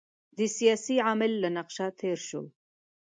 د سیاسي عامل له نقشه تېر شو.